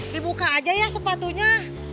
dibuka aja ya sepatunya